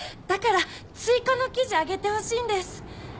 だから追加の記事上げてほしいんです。